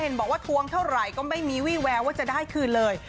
บอกว่าทวงเท่าไหร่ก็ไม่มีวี่แววว่าจะได้คืนเลย